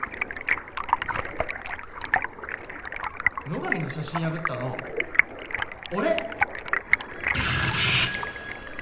野上の写真破ったの俺。